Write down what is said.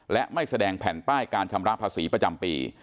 และไม่แสดงแผ่นป้ายการชำระภาษีประจำปี